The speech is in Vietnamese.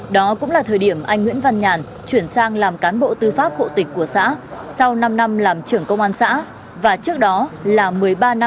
đó cũng là thời điểm anh nguyễn văn nhàn chuyển sang làm cán bộ tư pháp hộ tịch của xã sau năm năm làm trưởng công an xã và trước đó là một mươi ba năm giữ cường vị phó công an xã